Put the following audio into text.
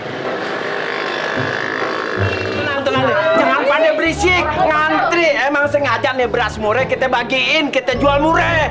tenang tenang deh jangan pade berisik ngantri emang sengaja nih beras mureh kita bagiin kita jual mureh